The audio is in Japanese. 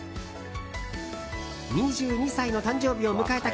２２歳の誕生日を迎えた